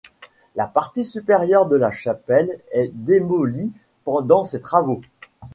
La partie supérieure de la chapelle est démolie pendant ces travaux.